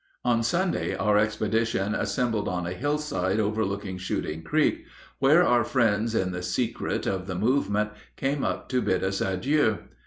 On Sunday our expedition assembled on a hillside overlooking Shooting Creek, where our friends in the secret of the movement came up to bid us adieu.